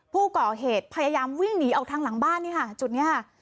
ผู้ก่อเหตุพยายามวิ่งหนีออกทางหลังบ้านนี่ค่ะจุดนี้ค่ะ